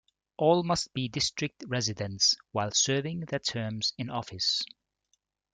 All must be District residents while serving their terms in office.